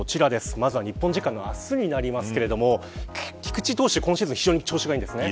まずは日本時間の明日になりますが菊池投手は、今シーズン非常に調子がいいんですね。